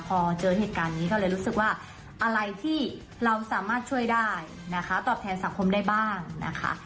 พอเจอเหตุการณ์นี้ก็เลยรู้สึกว่าอะไรที่เราสามารถช่วยได้นะคะตอบแทนสังคมได้บ้างนะคะ